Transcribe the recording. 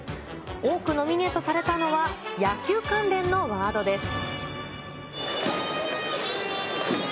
多くノミネートされたのは、野球関連のワードです。